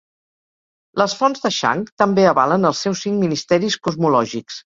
Les fonts de Shang també avalen els seus Cinc Ministeris cosmològics.